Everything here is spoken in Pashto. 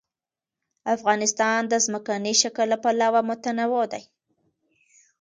افغانستان د ځمکنی شکل له پلوه متنوع دی.